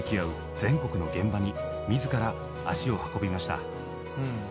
全国の現場に自ら足を運びました。